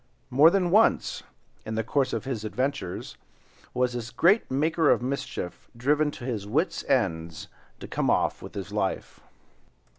More than once, in the course of his adventures, was this great maker of mischief driven to his wits' ends to come off with his life.